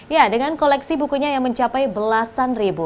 ya dengan koleksi bukunya yang mencapai belasan ribu